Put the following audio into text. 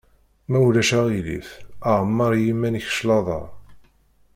Ma ulac aɣilif ɛemmeṛ i yiman-ik claḍa.